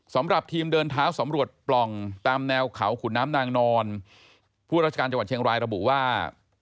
สำหรับทีมเดินเท้าสำรวจปล่องตามแนวเขาขุนน้ำนางนอนผู้ราชการจังหวัดเชียงรายระบุว่า